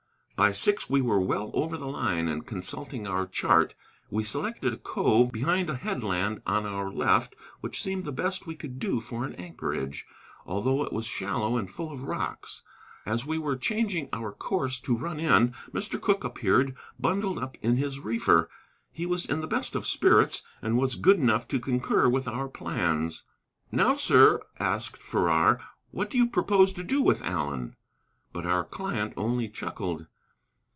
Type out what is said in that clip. By six we were well over the line, and consulting our chart, we selected a cove behind a headland on our left, which seemed the best we could do for an anchorage, although it was shallow and full of rocks. As we were changing our course to run in, Mr. Cooke appeared, bundled up in his reefer. He was in the best of spirits, and was good enough to concur with our plans. "Now, sir," asked Farrar, "what do you propose to do with Allen?" But our client only chuckled.